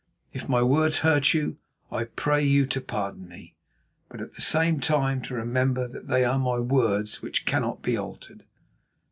If my words hurt you, I pray you to pardon me, but at the same time to remember that they are my words, which cannot be altered."